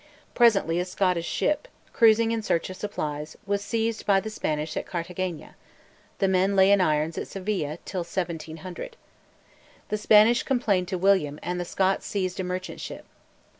Presently a Scottish ship, cruising in search of supplies, was seized by the Spanish at Carthagena; the men lay in irons at Seville till 1700. Spain complained to William, and the Scots seized a merchant ship.